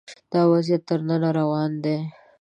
دا وضعیت تر ننه روان دی